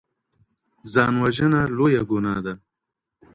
ځان وژنه لویه ګناه ده.